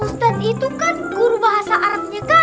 ustadz itu kan guru bahasa arabnya kami ustadz